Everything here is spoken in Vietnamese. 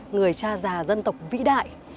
người cha già dân tộc vĩ đại